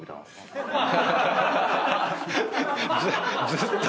ずずっと。